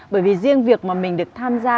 bởi vì riêng việc mà mình được tham gia